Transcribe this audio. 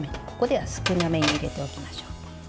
ここでは少なめに入れておきましょう。